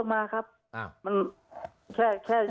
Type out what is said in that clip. เขาบอกอย่างนี้